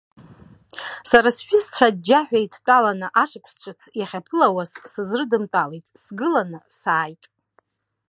Сара сҩызцәа аџьџьаҳәа еидтәаланы ашықәс ҿыц иахьаԥылауаз сызрыламтәеит, сгыланы сааит.